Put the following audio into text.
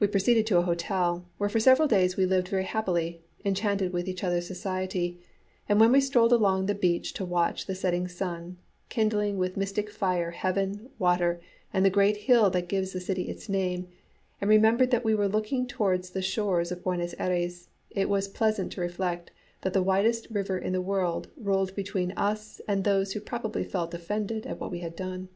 We proceeded to an hotel, where for several days we lived very happily, enchanted with each other's society; and when we strolled along the beach to watch the setting sun, kindling with mystic fire heaven, water, and the great hill that gives the city its name, and remembered that we were looking towards the shores of Buenos Ayres, it was pleasant to reflect that the widest river in the world rolled between us and those who probably felt offended at what we had done.